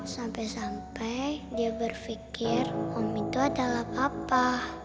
sampai sampai dia berpikir om itu adalah papa